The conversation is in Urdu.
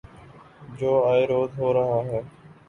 جو آئے روز ہو رہا ہے۔